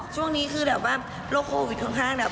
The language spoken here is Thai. ช่วงนี้คือแบบว่าโรคโควิดของข้าง